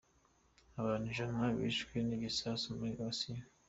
Abantu ijana bishwe n’igisasu muri asiya